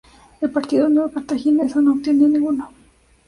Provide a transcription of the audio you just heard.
El Partido Unión Cartaginesa no obtiene ninguno.